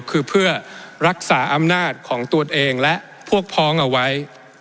คือเพื่อรักษาอำนาจของตัวเองและพวกพ้องเอาไว้